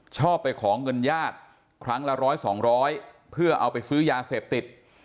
ชอบไปของเงินญาติครั้งละ๑๐๐๒๐๐เพื่อเอาไปซื้อยาเสพติด